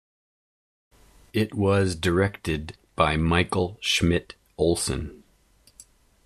It was directed by Michael Schmidt-Olsen.